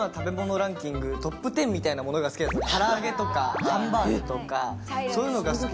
ランキングトップ１０みたいなものが好きだったんです。